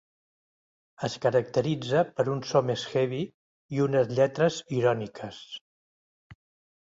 Es caracteritza per un so més heavy i unes lletres iròniques.